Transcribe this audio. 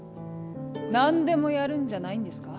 何でもやるんじゃないんですか？